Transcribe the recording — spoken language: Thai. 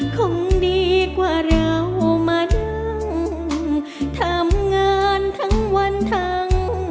คงดีกว่าเรามานั่งทำงานทั้งวันทั้ง